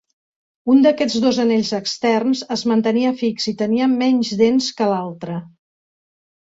Un d'aquests dos anells externs es mantenia fix i tenia menys dents que l'altre.